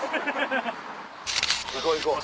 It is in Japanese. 行こう行こう。